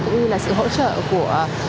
cũng như là sự hỗ trợ của